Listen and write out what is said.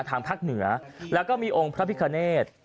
ทางพรรคเหนือและก็มีองค์พระพิคาร์เนต